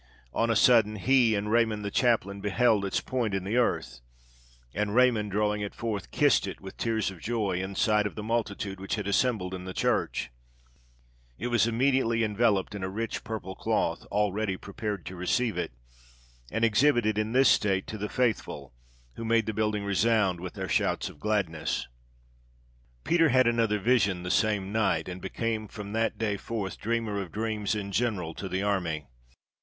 On a sudden, he and Raymond the chaplain beheld its point in the earth, and Raymond, drawing it forth, kissed it with tears of joy, in sight of the multitude which had assembled in the church. It was immediately enveloped in a rich purple cloth, already prepared to receive it, and exhibited in this state to the faithful, who made the building resound with their shouts of gladness. [Illustration: THE HOLY LANCE.] Peter had another vision the same night, and became from that day forth "dreamer of dreams" in general to the army.